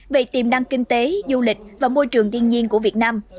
về tiềm năng kinh tế du lịch và môi trường thiên nhiên của việt nam